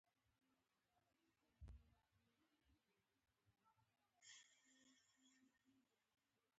مځکه د ژوند دروازه ده.